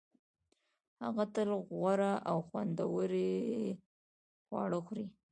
هغه تل غوره او خوندور خواړه خوري